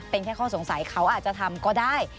เป็นแค่ข้อสงสัยเขาอาจจะทำก็ได้